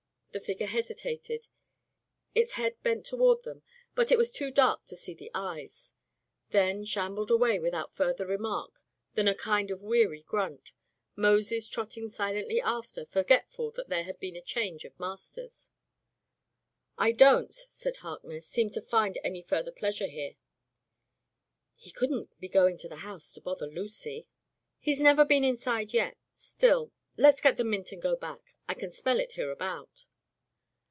'' The figure hesitated, its head bent toward them, but it was too dark to see the eyes; then shambled away without further remark than a kind of weary grunt, Moses trotting silendy after, forgetful that there had been a change of masters. "I don't," said Harkness, "seem to find any further pleasure here." "He couldn't be going to the house to bother Lucy?" "He's never been inside yet. Still — let's get the mint and go back. I can smell it hereabout."